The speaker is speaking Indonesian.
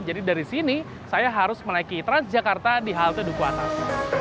dari sini saya harus menaiki transjakarta di halte duku atas